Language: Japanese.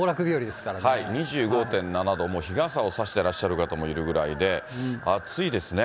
２５．７度、もう日傘を差してらっしゃる方もいるぐらいで、暑いですね。